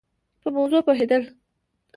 په موضوع پوهېد ل